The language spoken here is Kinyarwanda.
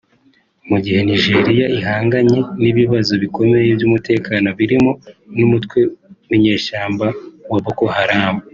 mu gihe Nigeria ihanganye n’ibibazo bikomeye by’umutekano birimo n’umutwe w’inyeshyamba wa Boko Haram